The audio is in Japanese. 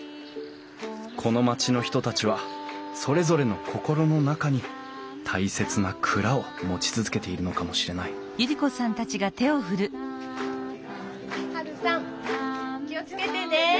この町の人たちはそれぞれの心の中に大切な蔵を持ち続けているのかもしれないハルさん気を付けてね。